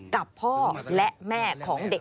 กับพ่อและแม่ของเด็ก